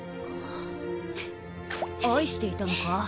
愛していたのか？